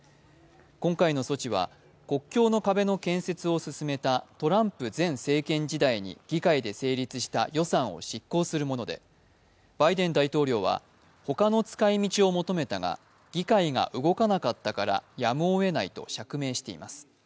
今回の措置は国境の壁の建設を進めたトランプ前政権時代に議会で成立した予算を執行するものでバイデン大統領は他の使い道を求めたが議会が動かなかったからやむをえないと釈明しています。